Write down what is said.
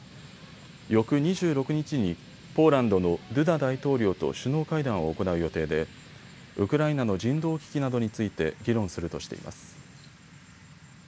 翌２６日にポーランドのドゥダ大統領と首脳会談を行う予定でウクライナの人道危機などについて議論するとしています。